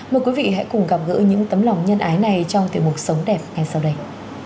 mời quý vị hãy cùng gặp gỡ những tấm lòng nhân ái này trong tiểu mục sống đẹp ngay sau đây